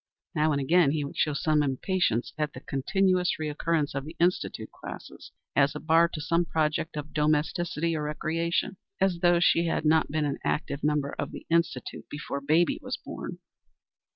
Now and again he would show some impatience at the continuous recurrence of the Institute classes as a bar to some project of domesticity or recreation, as though she had not been an active member of the Institute before baby was born.